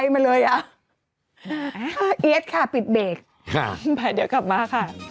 ไปเดียวกลับมา